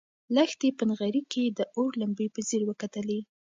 لښتې په نغري کې د اور لمبې په ځیر وکتلې.